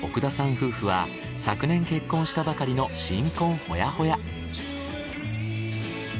夫婦は昨年結婚したばかりの新婚ほやほや。